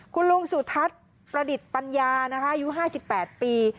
คุณลุงสุทัศน์ประดิษฐ์ปัญญายุค๕๘ปี